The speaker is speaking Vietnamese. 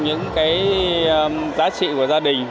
những giá trị của gia đình